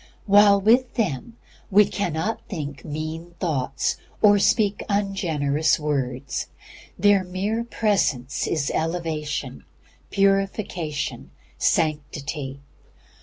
While with them we cannot think mean thoughts or speak ungenerous words. Their mere presence is elevation, purification, sanctity.